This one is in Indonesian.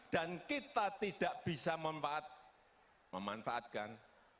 dan kita tidak bisa memanfaatkan